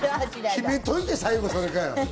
決めといて最後、それかよ！